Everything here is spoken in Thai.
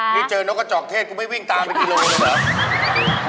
นี่เจอน้องกระจอกเทศกูไม่วิ่งตามไปกี่โลกเลยแบบ